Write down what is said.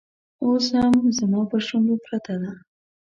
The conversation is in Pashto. اوس هم زما پر شونډو پرته ده